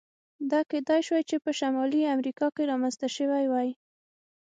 دا کېدای شوای چې په شمالي امریکا کې رامنځته شوی وای.